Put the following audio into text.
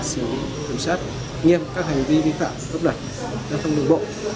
xử lý kiểm soát nghiêm các hành vi vi phạm gấp đẩy giao thông đường bộ